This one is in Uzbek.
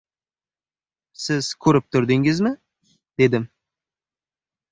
— Siz ko‘rib turdingizmi? — dedim.